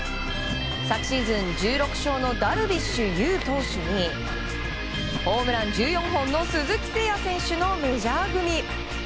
昨シーズン１６勝のダルビッシュ有投手にホームラン１４本の鈴木誠也選手のメジャー組。